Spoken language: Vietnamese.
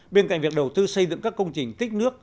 bên cạnh việc đầu tư xây dựng các công trình tích nước